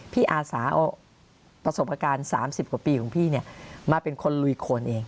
พี่อาสาประสบการณ์๓๐กว่าปีของพี่เนี่ยมาเป็นคนลุยโคนเอง